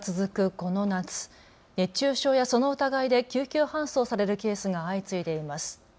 この夏熱中症やその疑いで救急搬送されるケースが相次いでいます。